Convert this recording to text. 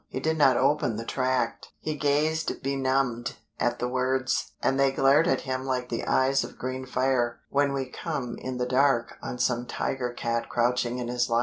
He did not open the tract; he gazed benumbed at the words, and they glared at him like the eyes of green fire when we come in the dark on some tiger cat crouching in his lair.